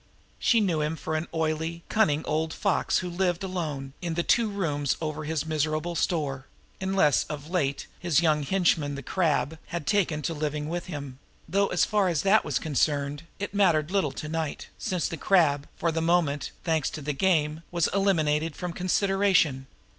She knew him for an oily, cunning old fox who lived alone in the two rooms over his miserable store unless, of late, his young henchman, the Crab, had taken to living with him; though, as far as that was concerned, it mattered little to night, since the Crab, for the moment, thanks to the gang, was eliminated from consideration.